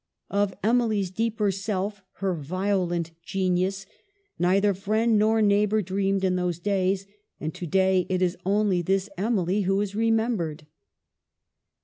Of Emily's deeper self, her violent genius, neither friend nor neighbor dreamed in those days. And to day it is only this Emily who is remembered.